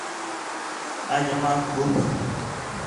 کہ اَج اوانک ٻُکھ